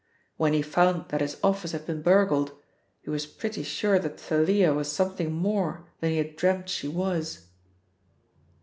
When he found that his office had been burgled he was pretty sure that Thalia was something more than he had dreamt she was."